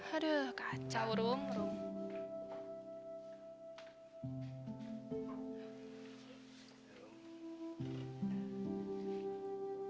aduh kacau rom rom